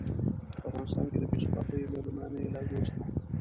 په افغانستان کې د بې ثباتۍ له لومړنيو لحظو څخه.